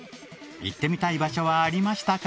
行ってみたい場所はありましたか？